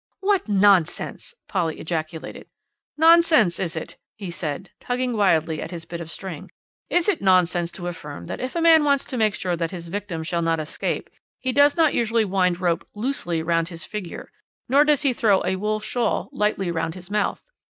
"What nonsense!" Polly ejaculated. "Nonsense, is it?" he said, tugging wildly at his bit of string; "is it nonsense to affirm that if a man wants to make sure that his victim shall not escape, he does not usually wind rope 'loosely' round his figure, nor does he throw a wool shawl lightly round his mouth.